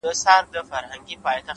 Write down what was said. قوي اراده ستړې لارې اسانه کوي،